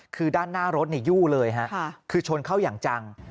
คือด้านหน้ารถยู่เลยฮะคือชนเข้าอย่างจัง